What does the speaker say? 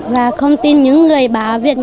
và không tin những người báo việt nam